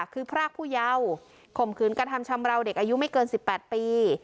คือพรากผู้เยาว์ข่มขืนกระทำชำราวเด็กอายุไม่เกิน๑๘ปี